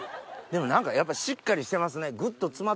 でも何かやっぱりしっかりしてますね。